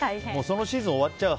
そのシーズン終わっちゃう。